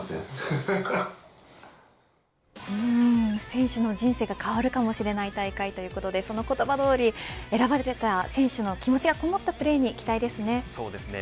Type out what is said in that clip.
選手の人生が変わるかもしれない大会ということでその言葉どおり選ばれた選手の気持ちがこもったプレーに期待ですね。